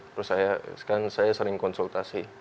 terus saya sekarang saya sering konsultasi